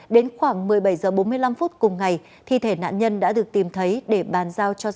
đến khoảng một mươi bảy h bốn mươi năm phút cùng ngày thi thể nạn nhân đã được tìm thấy để bàn giao cho gia đình lo hậu sự